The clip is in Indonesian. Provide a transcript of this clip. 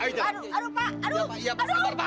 nanti dijelaskan aja di kantor polis